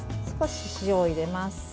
少し塩を入れます。